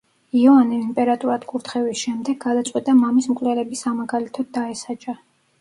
იოანემ იმპერატორად კურთხევის შემდეგ, გადაწყვიტა მამის მკვლელები სამაგალითოდ დაესაჯა.